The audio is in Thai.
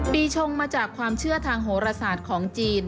ชงมาจากความเชื่อทางโหรศาสตร์ของจีน